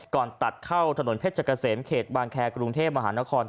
ตัดเข้าถนนเพชรเกษมเขตบางแคร์กรุงเทพมหานคร